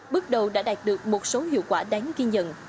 bước đầu đã đạt được một số hiệu quả đáng ghi nhận